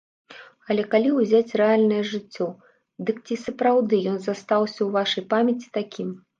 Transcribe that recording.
Але калі ўзяць рэальнае жыццё, дык ці сапраўды ён застаўся ў вашай памяці такім?